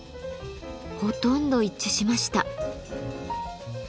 ほとんど一致しました。